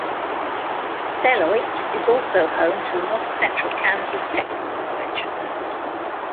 Beloit is also home to the North Central Kansas Technical College.